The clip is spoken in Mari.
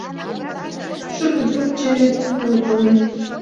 Шӱртӧ пырче веле кодын